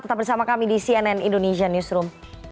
tetap bersama kami di cnn indonesia newsroom